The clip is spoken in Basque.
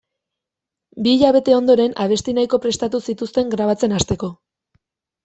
Bi hilabete ondoren abesti nahiko prestatu zituzten grabatzen hasteko.